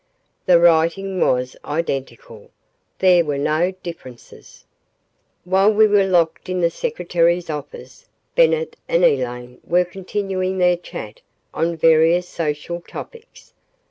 The writing was identical. There were no differences! ........ While we were locked in the secretary's office, Bennett and Elaine were continuing their chat on various social topics.